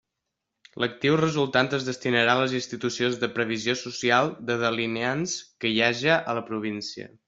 L'actiu resultant es destinarà a les institucions de previsió social de delineants que hi haja a la província.